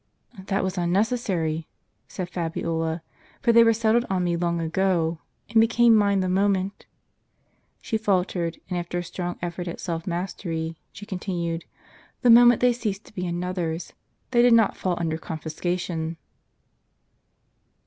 "That was unnecessary," said Fabiola, "for they were settled on me long ago, and became mine the moment "— she faltered, and after a strong effort at self mastery, she con tinued— " the moment they ceased to be another's ; they did not fall under confiscation."